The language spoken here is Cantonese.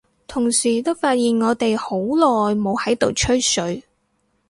同時都發現我哋好耐冇喺度吹水，